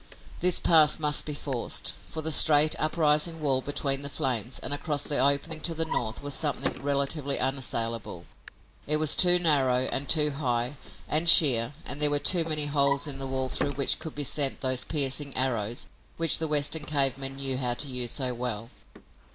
This pass must be forced, for the straight, uprising wall between the flames and across the opening to the north was something relatively unassailable. It was too narrow and too high and sheer and there were too many holes in the wall through which could be sent those piercing arrows which the Western cave men knew how to use so well.